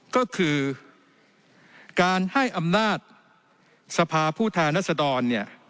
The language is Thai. ก็คือการให้อำนาจสภาพูทานัสดร